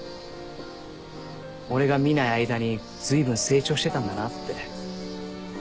俺が見ない間にずいぶん成長してたんだなって。